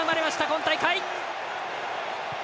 今大会！